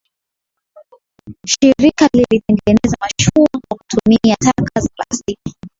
Shirika lilitengeneza mashua kwa kutumia taka za plastiki